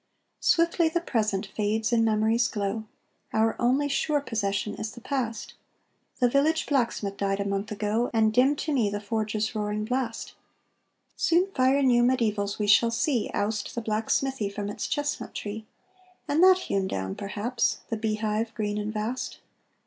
Swiftly the present fades in memory's glow, Our only sure possession is the past; The village blacksmith died a month ago, And dim to me the forge's roaring blast; Soon fire new mediævals we shall see Oust the black smithy from its chestnut tree, And that hewn down, perhaps, the beehive green and vast.